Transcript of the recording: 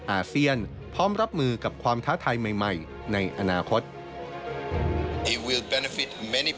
อาเซียนพร้อมรับมือกับความท้าทายใหม่ในอนาคต